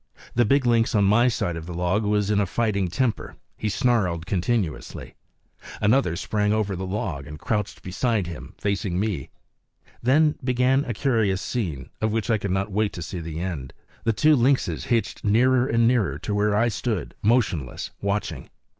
The big lynx on my side of the log was in a fighting temper; he snarled continuously. Another sprang over the log and crouched beside him, facing me. Then began a curious scene, of which I could not wait to see the end. The two lynxes hitched nearer and nearer to where I stood motionless, watching.